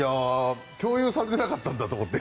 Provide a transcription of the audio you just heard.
共有がされていなかったんだと思って。